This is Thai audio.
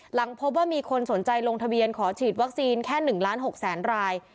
หลังพบว่ามีคนสนใจลงทะเบียนขอฉีดวัคซีนแค่๑ล้าน๖แสนราย